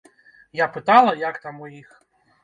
Я пытала, як там у іх.